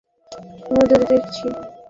আমরা তাকে নজরে রাখছি।